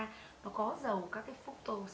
nó có dầu các cái phúc tô